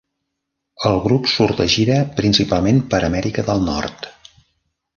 El grup surt de gira principalment per Amèrica del Nord.